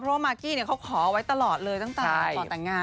เพราะว่ามากกี้เขาขอไว้ตลอดเลยตั้งแต่งงานเนาะ